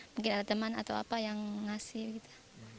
mungkin ada teman atau apa yang ngasih gitu